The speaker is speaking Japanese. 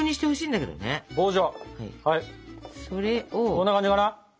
こんな感じかな？